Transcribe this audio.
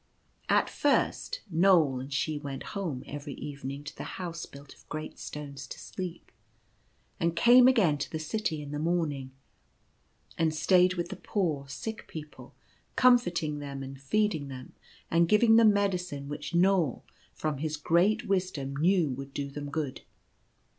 At first Knoal and she went home every evening to the house built of great stones to sleep, and came again to the city in the morning, and stayed with the poor sick people, comforting them and feeding them, and giving them medicine which Knoal, from his great wis dom, knew would do them good.